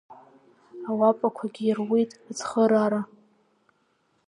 Ауапақәагьы ируит ацхыраара.